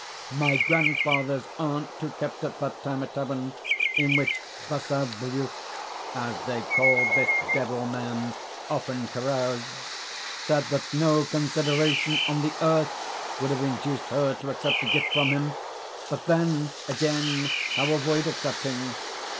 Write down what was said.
My grandfather's aunt, who kept at that time a tavern, in which Basavriuk (as they called this devil man) often caroused, said that no consideration on the earth would have induced her to accept a gift from him. But then, again, how to avoid accepting?